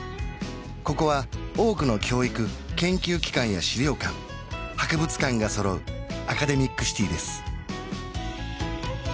ここは多くの教育研究機関や資料館博物館が揃うアカデミックシティーです